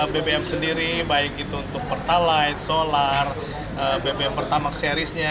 bbm sendiri baik itu untuk pertalite solar bbm pertama seriesnya